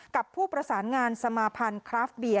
กับผู้ประสานงานสมาพันธ์คราฟเบียร์